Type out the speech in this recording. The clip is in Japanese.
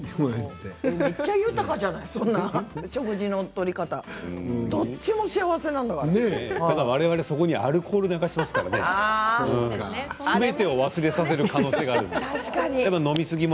めっちゃ豊かじゃない食事のとり方でも、われわれはそこにアルコールを入れますからすべてを忘れさせる可能性があります。